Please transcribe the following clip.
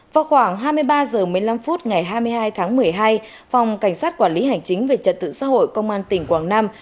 vào khoảng hai mươi ba h một mươi năm phút ngày hai mươi hai tháng một mươi hai phòng cảnh sát quản lý hành chính về trật tự xã hội công an tỉnh quảng nam